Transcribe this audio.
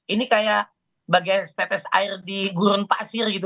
ini kayak bagai setetes air di gurun pasir gitu